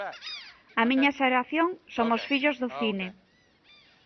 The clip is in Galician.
A miña xeración somos fillos do cine.